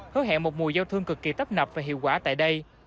hứa hẹn một mùa giao thương cực kỳ tấp nập và hiệu quả tại đây